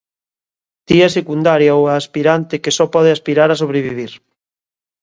Ti a secundaria ou a aspirante que só pode aspirar a sobrevivir.